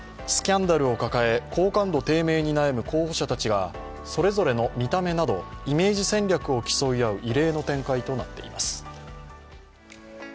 スキャンダルを抱え、好感度低迷に悩む候補者たちがそれぞれの見た目など、イメージ戦略を競い合う